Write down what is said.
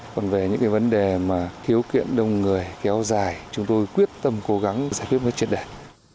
còn về những vấn đề khiếu kiện đông người kéo dài chúng tôi quyết tâm cố gắng giải quyết một cách triệt đẩy